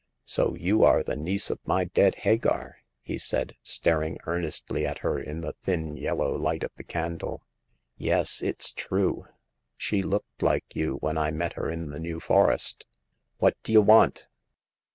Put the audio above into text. So you are the niece of my dead Hagar ?'' he said, staring earnestly at her in the thin yellow light of the candle. " Yes, it's true. She looked like you when I met her in the New Forest. What d'ye want